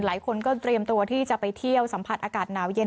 หลายคนก็เตรียมตัวที่จะไปเที่ยวสัมผัสอากาศหนาวเย็น